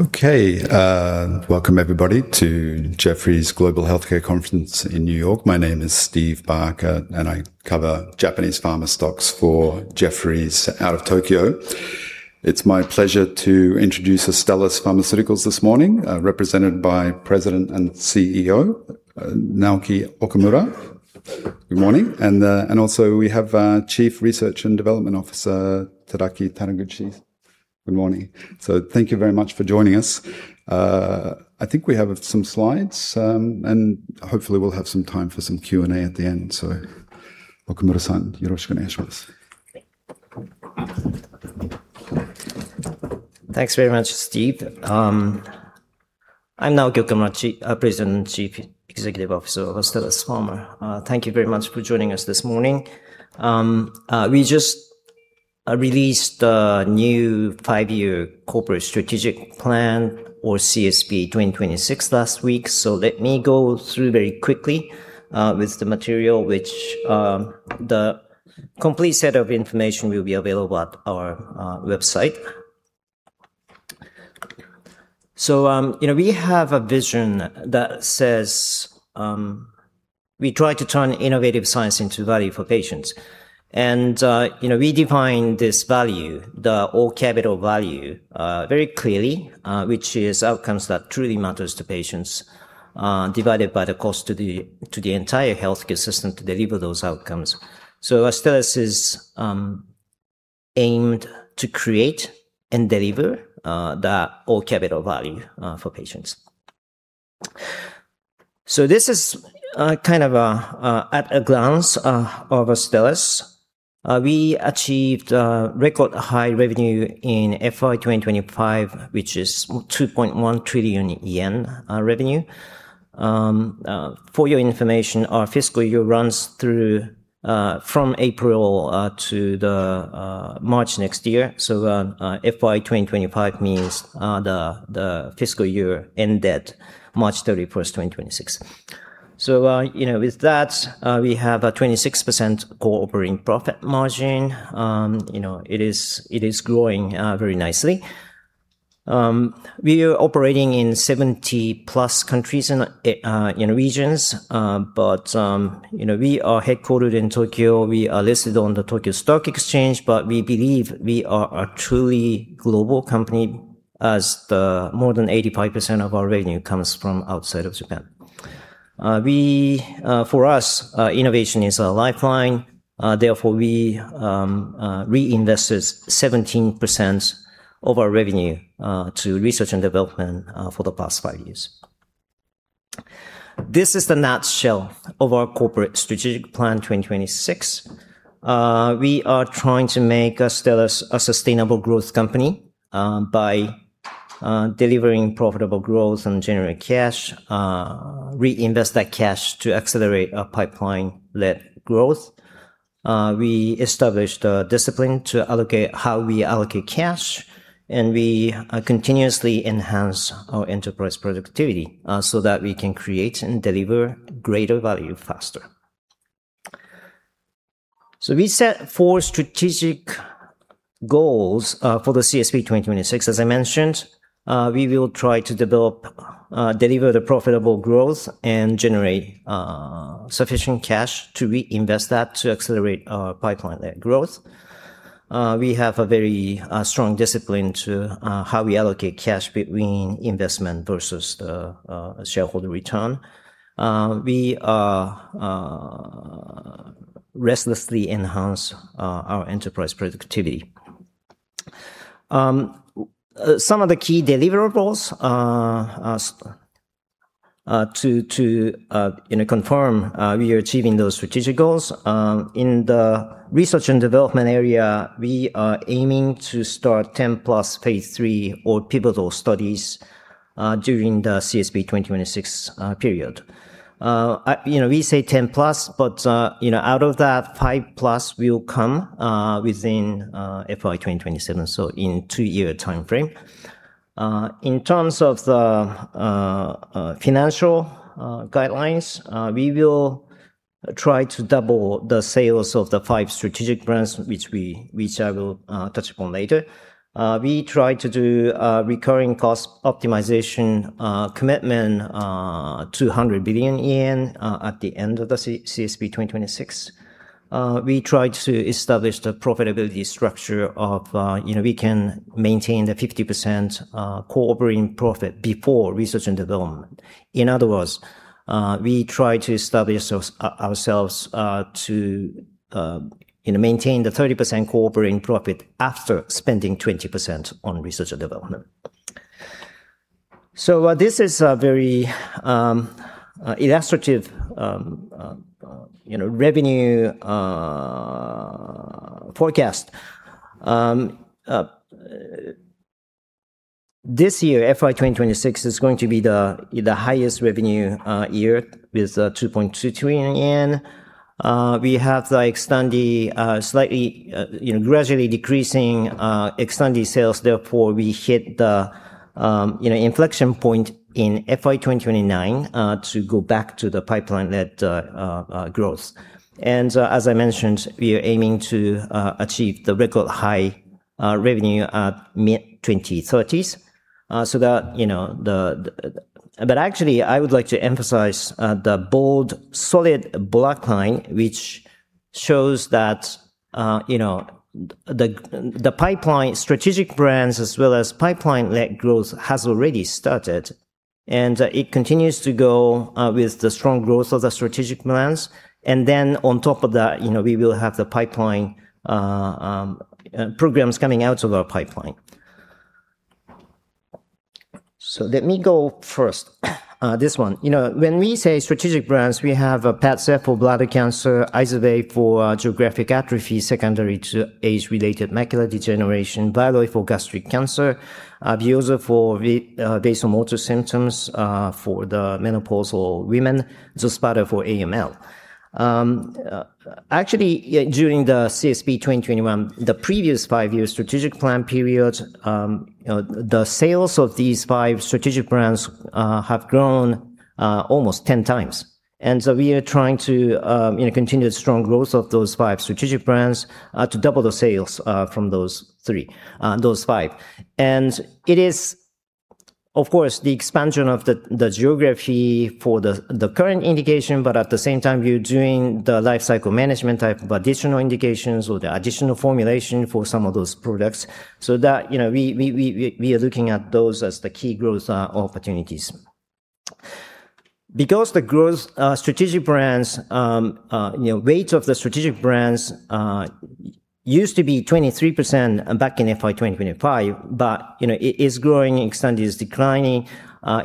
Okay. Welcome everybody to Jefferies Global Healthcare Conference in New York. My name is Stephen Barker. I cover Japanese pharma stocks for Jefferies out of Tokyo. It's my pleasure to introduce Astellas Pharma this morning, represented by President and CEO, Naoki Okamura. Good morning. Also we have Chief Research and Development Officer, Tadaaki Taniguchi. Good morning. Thank you very much for joining us. I think we have some slides. Hopefully we'll have some time for some Q&A at the end. Okamura-san, Thanks very much, Step. I'm Naoki Okamura, President and Chief Executive Officer of Astellas Pharma. Thank you very much for joining us this morning. We just released the new five-year corporate strategic plan or CSP 2026 last week. Let me go through very quickly with the material which the complete set of information will be available at our website. We have a vision that says, we try to turn innovative science into value for patients. We define this value, the all capital value, very clearly, which is outcomes that truly matters to patients, divided by the cost to the entire healthcare system to deliver those outcomes. Astellas is aimed to create and deliver the all capital value for patients. This is kind of at a glance of Astellas. We achieved a record high revenue in FY 2025, which is 2.1 trillion yen revenue. For your information, our fiscal year runs through from April to the March next year. FY 2025 means the fiscal year ended March 31st, 2026. With that, we have a 26% core operating profit margin. It is growing very nicely. We are operating in 70+ countries and regions. We are headquartered in Tokyo. We are listed on the Tokyo Stock Exchange, we believe we are a truly global company as the more than 85% of our revenue comes from outside of Japan. For us, innovation is our lifeline. Therefore, we reinvested 17% of our revenue to research and development for the past five years. This is the nutshell of our Corporate Strategic Plan 2026. We are trying to make Astellas a sustainable growth company by delivering profitable growth and generate cash, reinvest that cash to accelerate our pipeline-led growth. We established a discipline to how we allocate cash, and we continuously enhance our enterprise productivity so that we can create and deliver greater value faster. We set four strategic goals for the CSP 2026, as I mentioned. We will try to deliver the profitable growth and generate sufficient cash to reinvest that to accelerate our pipeline-led growth. We have a very strong discipline to how we allocate cash between investment versus shareholder return. We restlessly enhance our enterprise productivity. Some of the key deliverables to confirm we are achieving those strategic goals. In the research and development area, we are aiming to start 10+ phase III or pivotal studies during the CSP 2026 period. Out of that, 5+ will come within FY 2027, so in two-year timeframe. In terms of the financial guidelines, we will try to double the sales of the five strategic brands, which I will touch upon later. We try to do recurring cost optimization commitment, 200 billion yen, at the end of the CSP2026. We try to establish the profitability structure of we can maintain the 50% core operating profit before research and development. In other words, we try to establish ourselves to maintain the 30% core operating profit after spending 20% on research and development. This is a very illustrative revenue forecast. This year, FY 2026 is going to be the highest revenue year with 2.2 trillion yen. We have the slightly gradually decreasing XTANDI sales, therefore, we hit the inflection point in FY 2029, to go back to the pipeline-led growth. As I mentioned, we are aiming to achieve the record high revenue at mid-2030s. Actually, I would like to emphasize the bold, solid black line, which shows that the strategic brands as well as pipeline-led growth has already started, and it continues to go with the strong growth of the strategic brands. On top of that, we will have the pipeline programs coming out of our pipeline. Let me go first. This one. When we say strategic brands, we have PADCEV for bladder cancer, IZERVAY for geographic atrophy secondary to age-related macular degeneration, VYLOY for gastric cancer, VEOZAH for vasomotor symptoms for menopausal women, XOSPATA for AML. Actually, during the CSP2021, the previous five-year strategic plan period, the sales of these five strategic brands have grown almost 10x. We are trying to continue the strong growth of those five strategic brands to double the sales from those five. It is, of course, the expansion of the geography for the current indication, but at the same time, we are doing the life cycle management type of additional indications or the additional formulation for some of those products so that we are looking at those as the key growth opportunities. The weight of the strategic brands used to be 23% back in FY 2025, but it is growing, XTANDI is declining.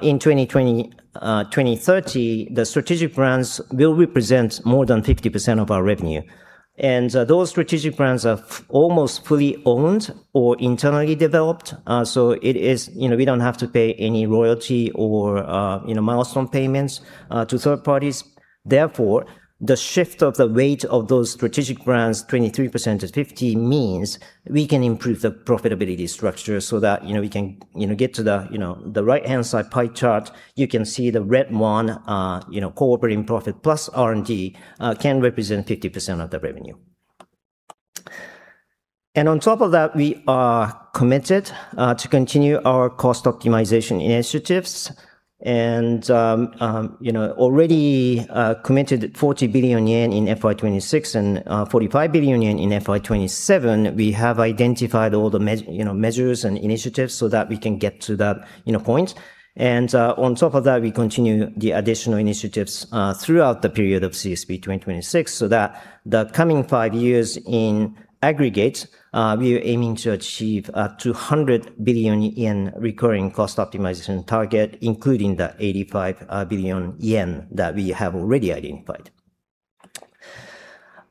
In 2030, the strategic brands will represent more than 50% of our revenue. Those strategic brands are almost fully owned or internally developed. We don't have to pay any royalty or milestone payments to third parties. The shift of the weight of those strategic brands, 23% to 50%, means we can improve the profitability structure so that we can get to the right-hand side pie chart. You can see the red one, operating profit plus R&D can represent 50% of the revenue. On top of that, we are committed to continue our cost optimization initiatives and already committed 40 billion yen in FY 2026 and 45 billion yen in FY 2027. We have identified all the measures and initiatives so that we can get to that point. On top of that, we continue the additional initiatives throughout the period of CSP2026, so that the coming five years in aggregate, we are aiming to achieve a 200 billion yen recurring cost optimization target, including the 85 billion yen that we have already identified.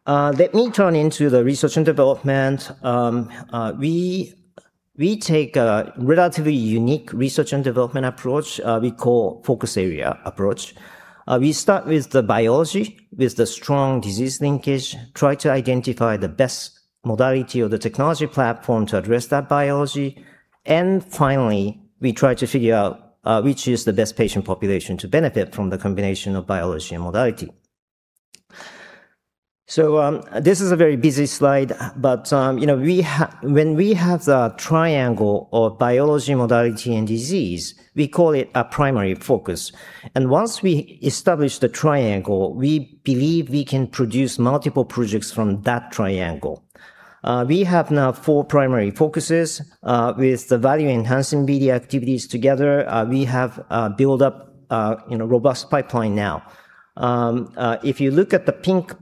Let me turn into the research and development. We take a relatively unique research and development approach we call Focus Area Approach. We start with the biology, with the strong disease linkage, try to identify the best modality or the technology platform to address that biology. Finally, we try to figure out which is the best patient population to benefit from the combination of biology and modality. This is a very busy slide. When we have the triangle of biology, modality, and disease, we call it a primary focus. Once we establish the triangle, we believe we can produce multiple projects from that triangle. We have now four primary focuses. With the value-enhancing BD activities together, we have built up a robust pipeline now. If you look at the pink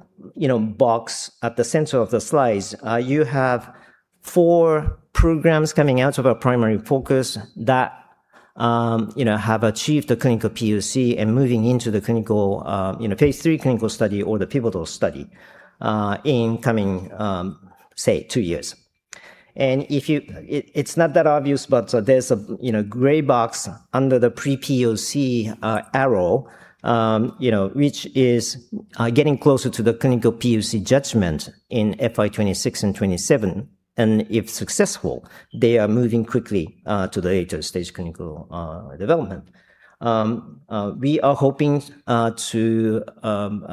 box at the center of the slides, you have four programs coming out of our primary focus that have achieved the clinical POC and moving into the phase III clinical study or the pivotal study in coming, say, two years. It's not that obvious, but there's a gray box under the pre-POC arrow which is getting closer to the clinical POC judgment in FY 2026 and 2027. If successful, they are moving quickly to the later-stage clinical development. We are hoping to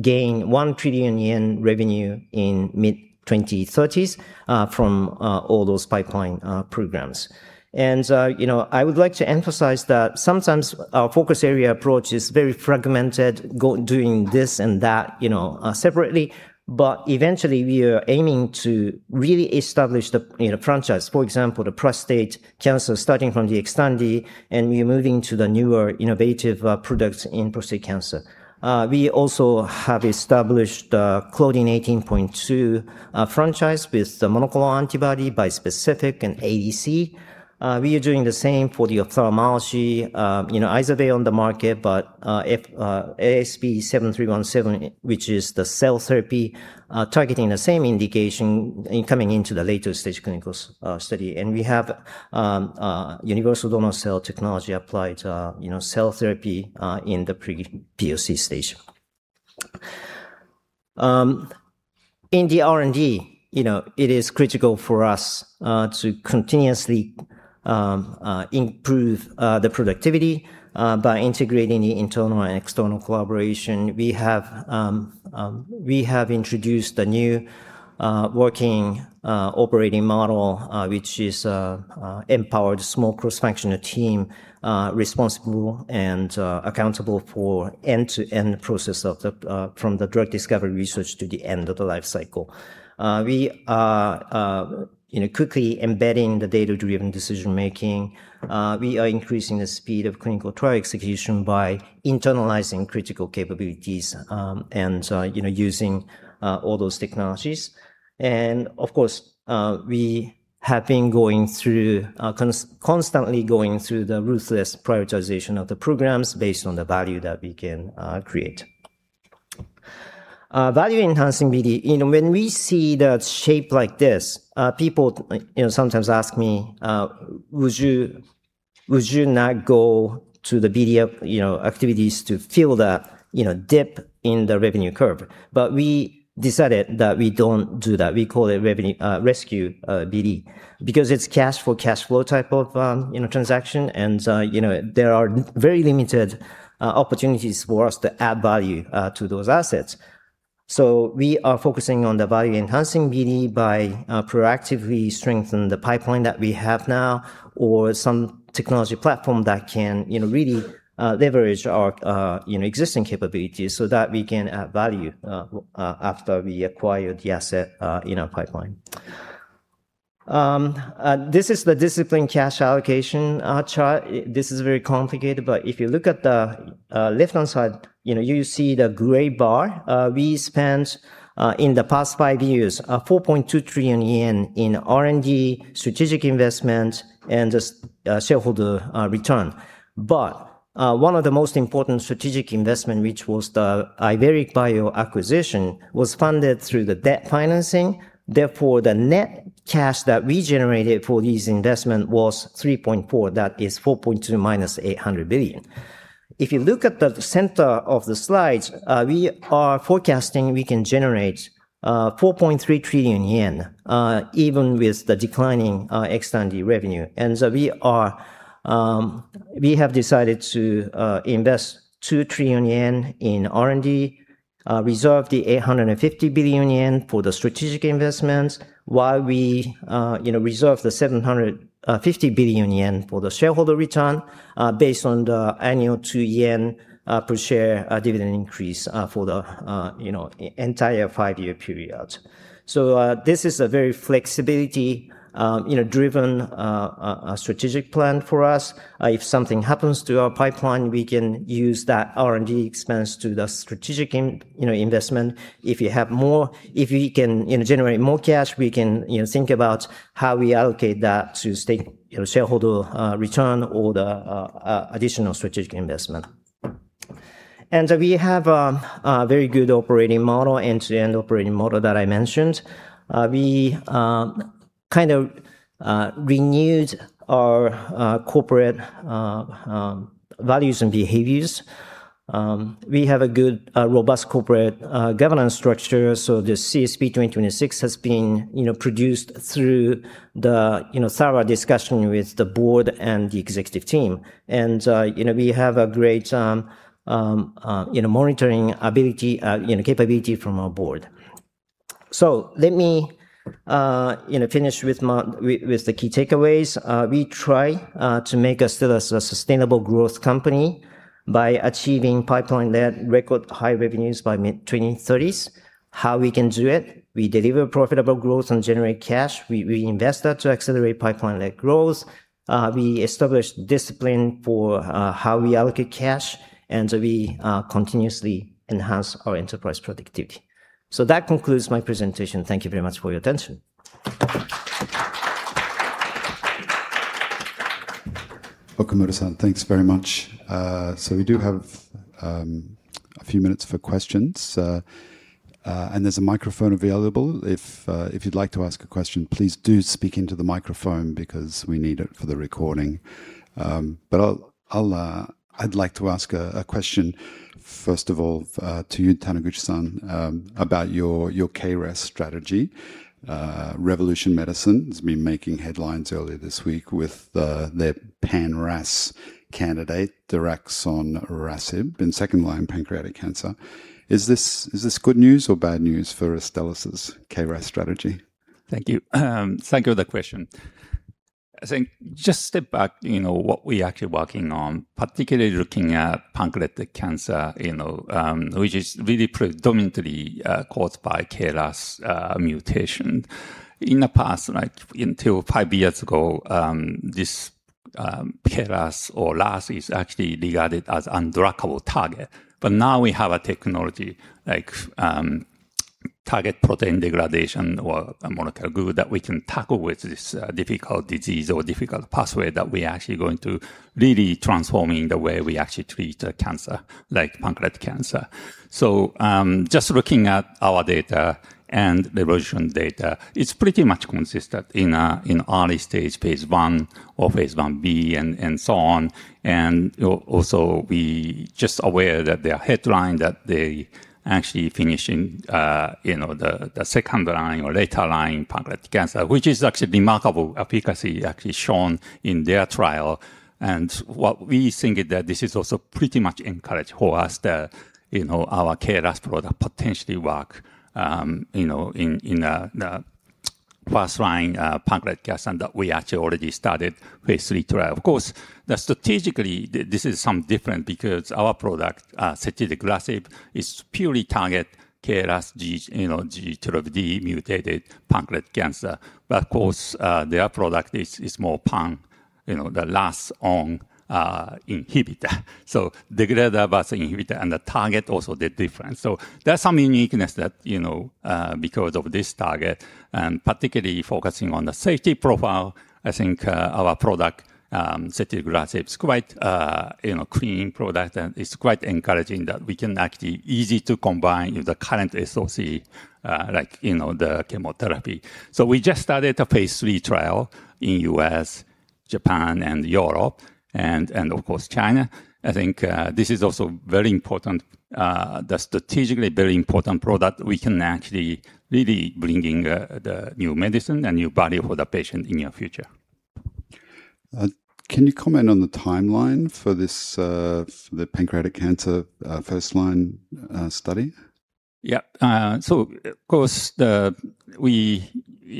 gain 1 trillion yen revenue in mid-2030s from all those pipeline programs. I would like to emphasize that sometimes our Focus Area Approach is very fragmented, doing this and that separately. Eventually, we are aiming to really establish the franchise. For example, the prostate cancer starting from the XTANDI, and we are moving to the newer innovative products in prostate cancer. We also have established the CLDN18.2 franchise with the monoclonal antibody bispecific and ADC. We are doing the same for the ophthalmology, IZERVAY on the market, but ASP7317, which is the cell therapy targeting the same indication coming into the later-stage clinical study. We have Universal Donor Cell technology applied cell therapy in the pre-POC stage. In the R&D, it is critical for us to continuously improve the productivity by integrating the internal and external collaboration. We have introduced a new working operating model, which is empowered small cross-functional team responsible and accountable for end-to-end process from the drug discovery research to the end of the life cycle. We are quickly embedding the data-driven decision-making. We are increasing the speed of clinical trial execution by internalizing critical capabilities, and using all those technologies. Of course, we have been constantly going through the ruthless prioritization of the programs based on the value that we can create. Value enhancing BD. When we see the shape like this, people sometimes ask me, "Would you not go to the BD activities to fill that dip in the revenue curve?" We decided that we don't do that. We call it revenue rescue BD because it's cash for cash flow type of transaction. There are very limited opportunities for us to add value to those assets. We are focusing on the value enhancing BD by proactively strengthen the pipeline that we have now, or some technology platform that can really leverage our existing capabilities so that we can add value after we acquire the asset in our pipeline. This is the discipline cash allocation chart. This is very complicated, but if you look at the left-hand side, you see the gray bar. We spent, in the past five years, 4.2 trillion yen in R&D, strategic investment, and shareholder return. One of the most important strategic investment, which was the Iveric Bio acquisition, was funded through the debt financing. Therefore, the net cash that we generated for this investment was 3.4 trillion. That is 4.2 trillion-800 billion. If you look at the center of the slides, we are forecasting we can generate 4.3 trillion yen, even with the declining XTANDI revenue. We have decided to invest 2 trillion yen in R&D, reserve 850 billion yen for the strategic investments, while we reserve 750 billion yen for the shareholder return based on the annual 2 yen per share dividend increase for the entire five-year period. This is a very flexibility-driven strategic plan for us. If something happens to our pipeline, we can use that R&D expense to the strategic investment. If we can generate more cash, we can think about how we allocate that to shareholder return or the additional strategic investment. We have a very good operating model, end-to-end operating model that I mentioned. We kind of renewed our corporate values and behaviors. We have a good, robust corporate governance structure. The CSP2026 has been produced through the thorough discussion with the board and the executive team. We have a great monitoring capability from our board. Let me finish with the key takeaways. We try to make Astellas a sustainable growth company by achieving pipeline-led record high revenues by mid-2030s. How we can do it? We deliver profitable growth and generate cash. We invest that to accelerate pipeline-led growth. We establish discipline for how we allocate cash, and we continuously enhance our enterprise productivity. That concludes my presentation. Thank you very much for your attention. Okamura-san, thanks very much. We do have a few minutes for questions. There's a microphone available. If you'd like to ask a question, please do speak into the microphone because we need it for the recording. I'd like to ask a question first of all to you, Taniguchi-san, about your K-RAS strategy. Revolution Medicines has been making headlines earlier this week with their pan-RAS candidate, daraxonrasib, in second line pancreatic cancer. Is this good news or bad news for Astellas Pharma's K-RAS strategy? Thank you. Thank you for the question. I think just step back, what we're actually working on, particularly looking at pancreatic cancer, which is really predominantly caused by K-RAS mutation. Now we have a technology like targeted protein degradation or molecular glue that we can tackle with this difficult disease or difficult pathway that we are actually going to really transforming the way we actually treat cancer, like pancreatic cancer. Just looking at our data and the Revolution data, it's pretty much consistent in early stage phase I or phase I-A and so on. Also we just aware that their headline that they actually finishing the second-line or later-line pancreatic cancer, which is actually remarkable efficacy actually shown in their trial. What we think is that this is also pretty much encouraging for us that our KRAS product potentially work in first-line pancreatic cancer that we actually already started phase III trial. Of course, strategically, this is different because our product, setidegrasib, purely targets KRAS G12D mutated pancreatic cancer. Of course, their product is more pan-RAS inhibitor. Degrader versus inhibitor, and the target is also different. That's some uniqueness that because of this target, and particularly focusing on the safety profile, I think our product, setidegrasib, is quite clean product, and it's quite encouraging that we can actually easy to combine with the current SOC like the chemotherapy. We just started a phase III trial in U.S., Japan, and Europe, and of course, China. I think this is also very important, the strategically very important product we can actually really bringing the new medicine and new value for the patient in near future. Can you comment on the timeline for the pancreatic cancer first-line study? Of course, we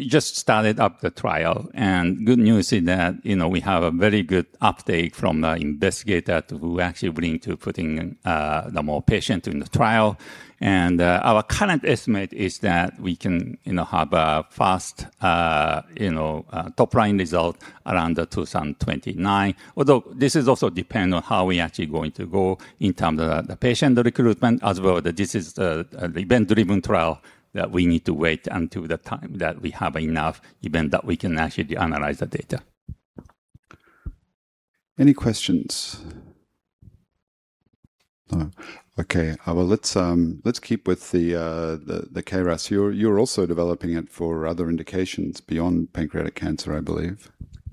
just started up the trial, good news is that we have a very good uptake from the investigator who actually bring to putting the more patient in the trial. Our current estimate is that we can have a fast top-line result around 2029, although this is also depend on how we actually going to go in term the patient recruitment as well that this is event-driven trial that we need to wait until the time that we have enough event that we can actually analyze the data. Any questions? Oh, okay. Well, let's keep with the KRAS. You're also developing it for other indications beyond pancreatic cancer, I believe.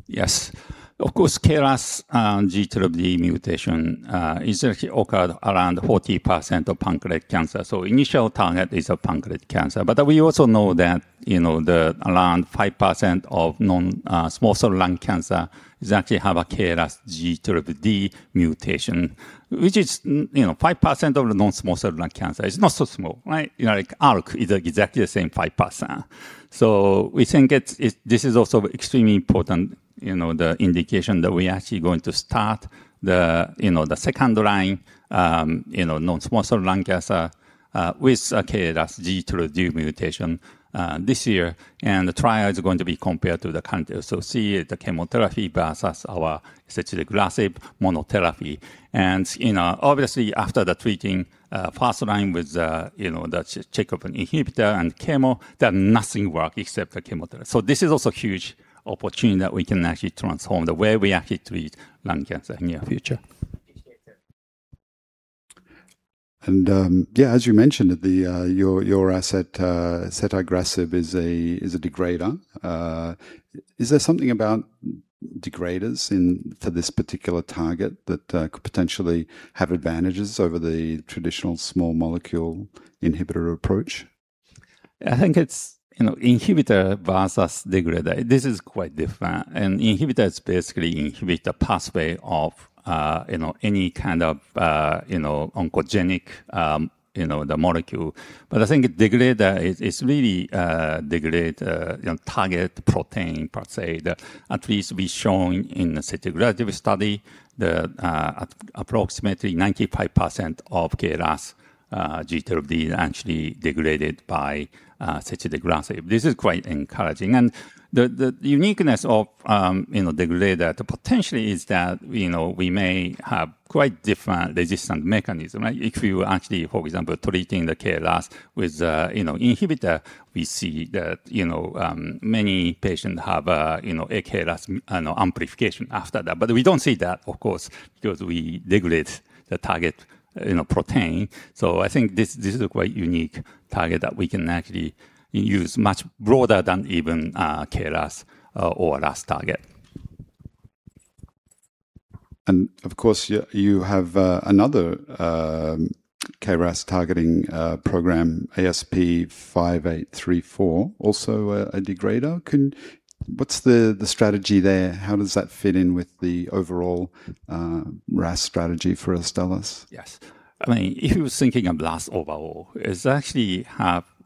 Yes. Of course, KRAS G12D mutation is actually occurred around 40% of pancreatic cancer. Initial target is pancreatic cancer. We also know that around 5% of non-small cell lung cancer actually have a KRAS G12D mutation, which is 5% of non-small cell lung cancer. It's not so small, right? Like ALK is exactly the same 5%. We think this is also extremely important, the indication that we actually going to start the second-line non-small cell lung cancer, with KRAS G12D mutation, this year. The trial is going to be compared to the current SOC, the chemotherapy versus our setidegrasib monotherapy. Obviously, after the treating first-line with the checkpoint inhibitor and chemo, that nothing work except the chemotherapy. This is also huge opportunity that we can actually transform the way we actually treat lung cancer in near future. Yeah. As you mentioned, your asset, setidegrasib, is a degrader. Is there something about degraders for this particular target that could potentially have advantages over the traditional small molecule inhibitor approach? I think it's inhibitor versus degrader. This is quite different. Inhibitors basically inhibit the pathway of any kind of oncogenic molecule. I think degrader is really degrade target protein per se, that at least we've shown in the setidegrasib study the approximately 95% of KRAS G12D actually degraded by setidegrasib. This is quite encouraging. The uniqueness of degrader potentially is that we may have quite different resistant mechanism, right? If you actually, for example, treating the KRAS with inhibitor, we see that many patient have a KRAS amplification after that. We don't see that, of course, because we degrade the target protein. I think this is a quite unique target that we can actually use much broader than even KRAS or RAS target. Of course, you have another KRAS targeting program, ASP5834, also a degrader. What's the strategy there? How does that fit in with the overall RAS strategy for Astellas? Yes. I mean, if you was thinking of RAS overall, is actually have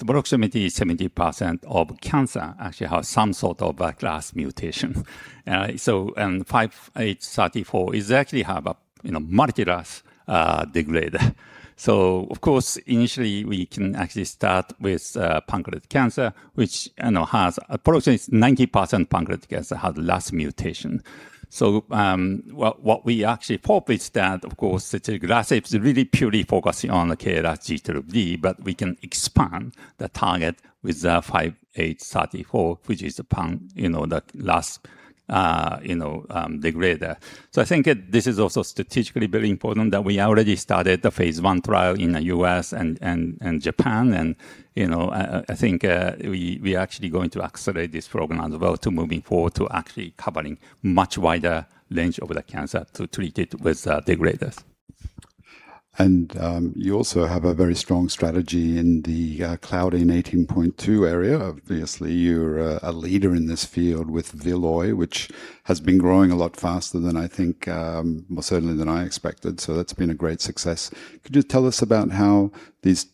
approximately 70% of cancer actually have some sort of RAS mutation. 5834 is actually have a multi-RAS degrader. Of course, initially we can actually start with pancreatic cancer, which approximately 90% pancreatic cancer have RAS mutation. What we actually hope is that, of course, setidegrasib is really purely focusing on the KRAS G12D, but we can expand the target with 5834, which is a pan-RAS degrader. I think this is also strategically very important that we already started the phase I trial in the U.S. and Japan, we actually going to accelerate this program as well to moving forward to actually covering much wider range of the cancer to treat it with degraders. You also have a very strong strategy in the Claudin 18.2 area. Obviously, you're a leader in this field with VYLOY, which has been growing a lot faster than I think, more certainly than I expected. That's been a great success. Could you tell us about how these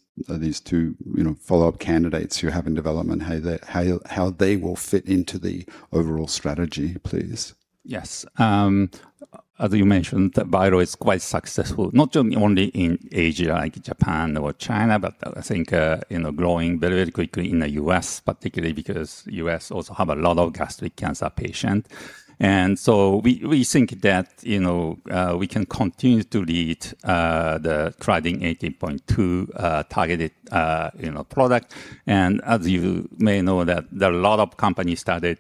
two follow-up candidates you have in development, how they will fit into the overall strategy, please? Yes. As you mentioned, VYLOY is quite successful, not only in Asia, like Japan or China, but I think growing very quickly in the U.S., particularly because U.S. also have a lot of gastric cancer patient. We think that we can continue to lead the Claudin 18.2 targeted product. As you may know, there are a lot of companies started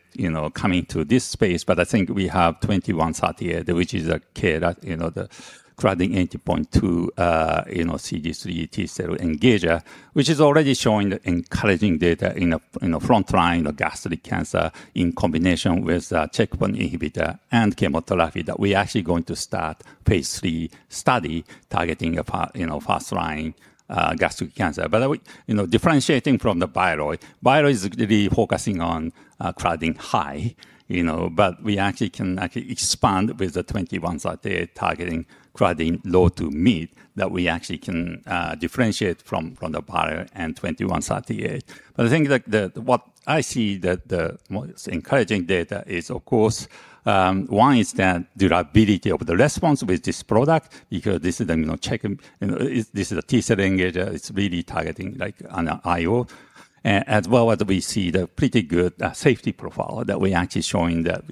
coming to this space, but I think we have ASP2138, which is a CAR that, the Claudin 18.2 CD3 T-cell engager, which is already showing encouraging data in a front line of gastric cancer in combination with checkpoint inhibitor and chemotherapy, that we are actually going to start phase III study targeting a first-line gastric cancer. Differentiating from the VYLOY is really focusing on Claudin high, we actually can expand with the ASP2138 targeting Claudin low to mid that we actually can differentiate from the VYLOY and ASP2138. I think what I see that the most encouraging data is, of course, one is the durability of the response with this product, because this is a T-cell engager, it's really targeting like an IO. As well as we see the pretty good safety profile that we are actually showing that.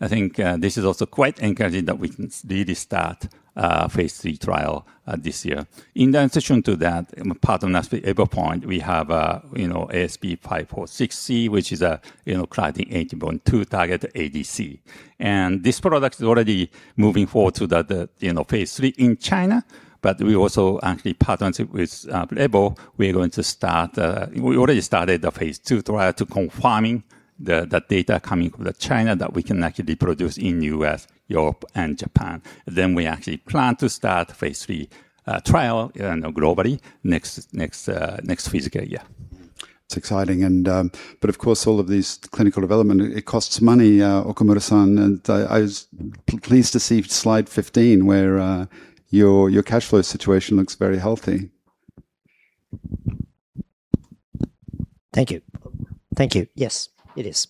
I think this is also quite encouraging that we can really start a phase III trial this year. In addition to that, partnering with AbbVie, we have ASP546C, which is a Claudin 18.2 target ADC. This product is already moving forward to the phase III in China, we also actually partnered with AbbVie. We already started the phase II trial to confirming the data coming from the China that we can actually produce in U.S., Europe, and Japan. We actually plan to start phase III trial globally next fiscal year. It's exciting. Of course, all of these clinical development, it costs money, Okamura-san, I was pleased to see slide 15, where your cash flow situation looks very healthy. Thank you. Yes, it is.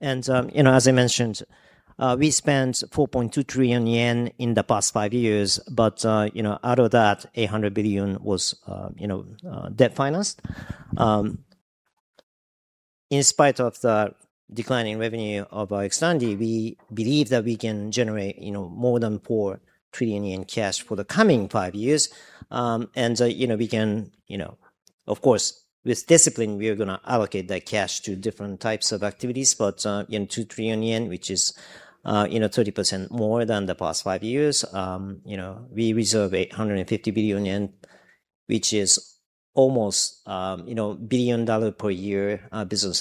As I mentioned, we spent 4.2 trillion yen in the past five years, but out of that, 800 billion was debt-financed. In spite of the declining revenue of XTANDI, we believe that we can generate more than 4 trillion yen in cash for the coming five years. We can, of course, with discipline, we are going to allocate that cash to different types of activities. 2 trillion yen, which is 30% more than the past five years. We reserve 850 billion yen, which is almost $1 billion per year business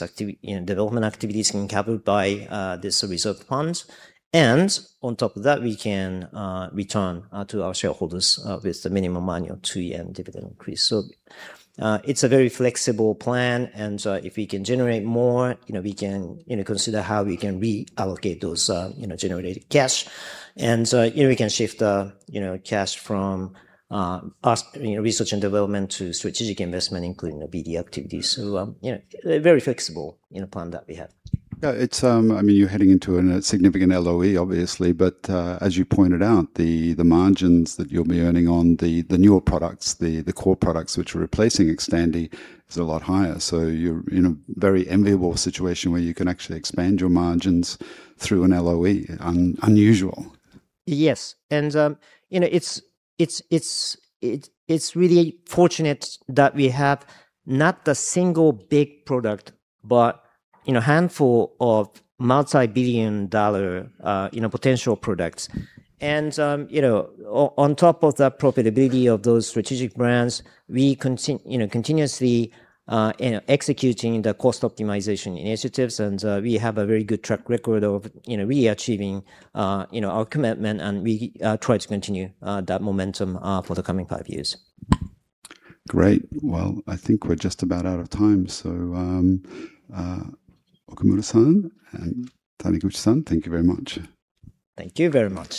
development activities can be covered by this reserved funds. On top of that, we can return to our shareholders with the minimum annual 2 yen dividend increase. It's a very flexible plan, and if we can generate more, we can consider how we can reallocate those generated cash. We can shift cash from research and development to strategic investment, including BD activities. A very flexible plan that we have. Yeah. You're heading into a significant LOE, obviously. As you pointed out, the margins that you'll be earning on the newer products, the core products which are replacing XTANDI, is a lot higher. You're in a very enviable situation where you can actually expand your margins through an LOE. Unusual. Yes. It's really fortunate that we have not the single big product, but a handful of multi-billion dollar potential products. On top of the profitability of those strategic brands, we continuously executing the cost optimization initiatives, and we have a very good track record of really achieving our commitment, and we try to continue that momentum for the coming five years. Great. Well, I think we're just about out of time. Okamura-san and Taniguchi-san, thank you very much. Thank you very much